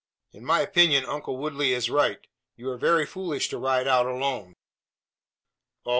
In my opinion, uncle Woodley is rights you are very foolish to ride out alone." "Oh!